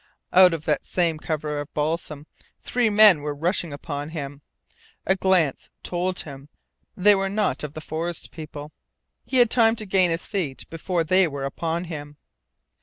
Out of that same cover of balsam three men were rushing upon him. A glance told him they were not of the forest people. He had time to gain his feet before they were upon him.